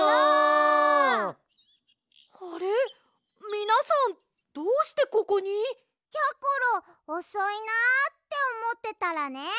みなさんどうしてここに？やころおそいなあっておもってたらね